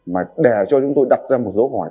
mà để cho chúng tôi đặt ra một dấu hỏi